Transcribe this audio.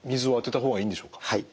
はい。